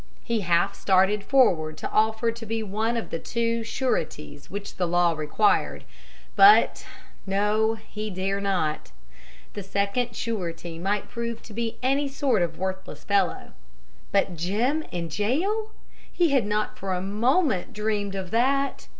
He half started forward to offer to be one of the two sureties which the law required, but no, he dare not. The second surety might prove to be any sort of worthless fellow. But Jim in jail! He had not for a moment dreamed of that.